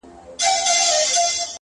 د ننګرهار خلګ دي هم